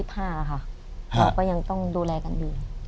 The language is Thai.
เราก็ยังต้องดูแลกันอยู่